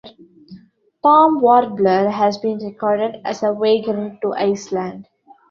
Palm warbler has been recorded as a vagrant to Iceland.